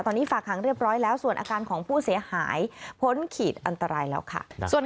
ตอนนี้ฝากหางเรียบร้อยแล้วส่วนอาการของผู้เสียหายพ้นขีดอันตรายแล้วค่ะ